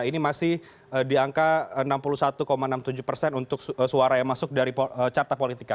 ini masih di angka enam puluh satu enam puluh tujuh persen untuk suara yang masuk dari carta politika